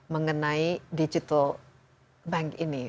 mengenai digital bank ini